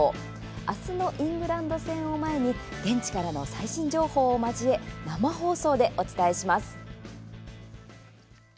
明日のイングランド戦を前に現地からの最新情報を交え生放送でお伝えします。